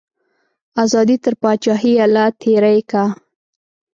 ازادي تر پاچاهیه لا تیری کا.